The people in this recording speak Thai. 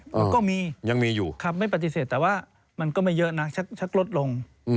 มันก็มียังมีอยู่ไม่ปฏิเสธแต่ว่ามันก็ไม่เยอะนะชักลดลง